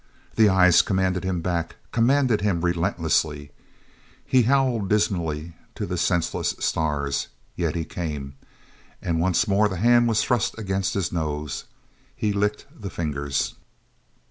The eyes commanded him back, commanded him relentlessly. He howled dismally to the senseless stars, yet he came; and once more that hand was thrust against his nose. He licked the fingers.